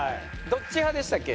どっち派でしたっけ？